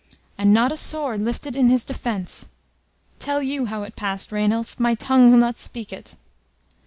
And not a sword lifted in his defence! Tell you how it passed, Rainulf! My tongue will not speak it!"